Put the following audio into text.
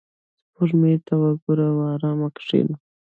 • سپوږمۍ ته وګوره او آرامه کښېنه.